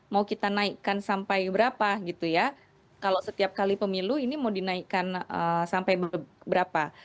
mau kita naikkan sampai berapa gitu ya kalau setiap kali pemilu ini mau dinaikkan sampai berapa